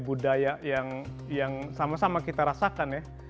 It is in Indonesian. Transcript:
budaya yang sama sama kita rasakan ya